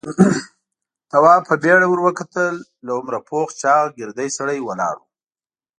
تواب په بيړه ور وکتل. له عمره پوخ چاغ، ګردی سړی ولاړ و.